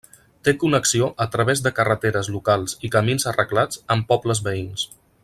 Té connexió, a través de carreteres locals i camins arreglats, amb pobles veïns.